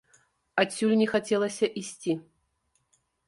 Адсюль не хацелася ісці.